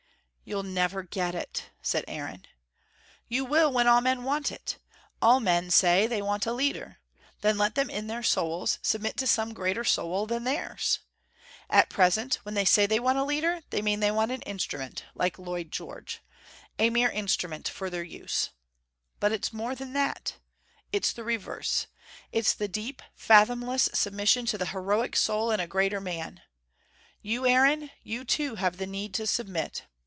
"You'll never get it," said Aaron. "You will, when all men want it. All men say, they want a leader. Then let them in their souls submit to some greater soul than theirs. At present, when they say they want a leader, they mean they want an instrument, like Lloyd George. A mere instrument for their use. But it's more than that. It's the reverse. It's the deep, fathomless submission to the heroic soul in a greater man. You, Aaron, you too have the need to submit.